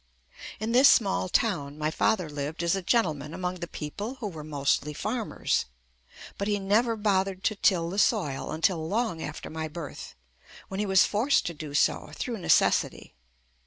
In this small town my father lived as a gen tleman among the people who were mostly farmers, but he never bothered to till the soil until long after my birth, when he was forced to do so through necessity.